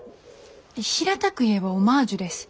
平たく言えばオマージュです。